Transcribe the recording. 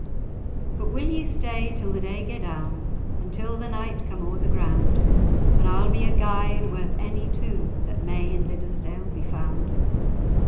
"But will ye stay till the day gae down, Until the night come o'er the ground, And I'll be a guide worth any two That may in Liddesdale be found?